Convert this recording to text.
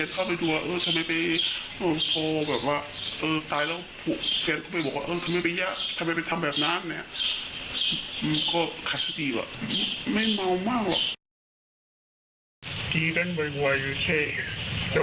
ทำไมเป็นทำแบบนั้นนะฮะ